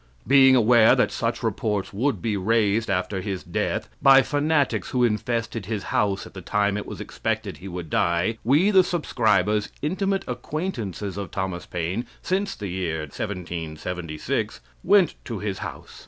Being aware that such reports would be raised after his death by fanatics who infested his house at the time it was expected he would die, we, the subscribers, intimate acquaintances of Thomas Paine since the year 1776, went to his house.